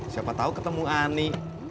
siapa tahu ketemu ani